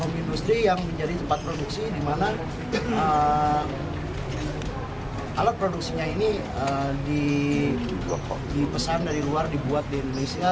industri yang menjadi tempat produksi di mana alat produksinya ini dipesan dari luar dibuat di indonesia